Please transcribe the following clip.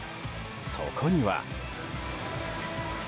そこには。